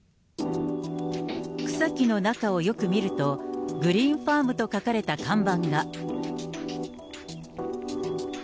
草木の中をよく見ると、グリーンファームと書かれた看板が。